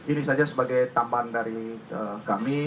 ini saja sebagai tambahan dari kami